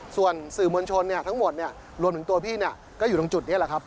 ส่วนสื่อมวลชนทั้งหมดรวมถึงตัวพี่ก็อยู่ตรงจุดนี้แหละครับ